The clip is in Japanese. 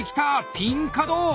「ピン角」！